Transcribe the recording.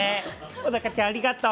小高ちゃん、ありがとう。